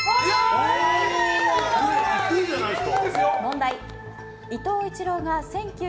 いいじゃないですか。